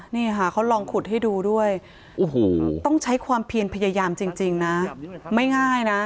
นี่ค่ะเขาลองขุดให้ดูด้วยโอ้โหต้องใช้ความเพียรพยายามจริงนะไม่ง่ายนะ